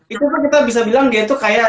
itu kan kita bisa bilang dia itu kayak